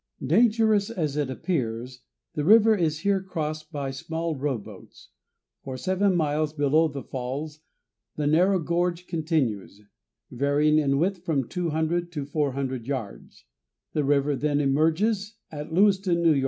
Dangerous as it appears, the river is here crossed by small rowboats. For seven miles below the falls the narrow gorge continues, varying in width from 200 to 400 yards. The river then emerges at Lewiston, N. Y.